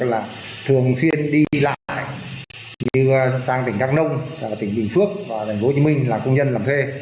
cùng xuyên đi lại như sang tỉnh đắk nông tỉnh bình phước và thành phố hồ chí minh là công nhân làm thuê